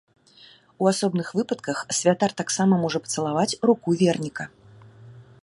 У асобных выпадках святар таксама можа пацалаваць руку верніка.